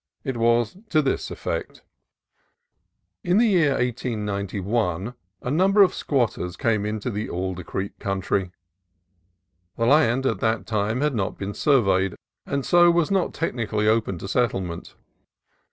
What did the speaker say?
It was to this effect :— In the year 1891 a number of squatters came into the Alder Creek country. The land at that time had not been surveyed, and so was not technically open to settlement.